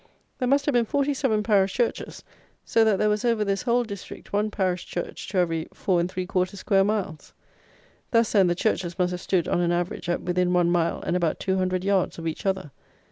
There must have been forty seven parish churches; so that there was, over this whole district, one parish church to every four and three quarters square miles! Thus, then, the churches must have stood, on an average, at within one mile and about two hundred yards of each other!